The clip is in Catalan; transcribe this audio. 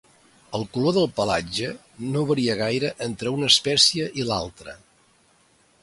El color del pelatge no varia gaire entre una espècie i l'altra.